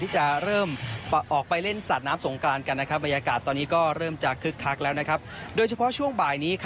เชิญครับ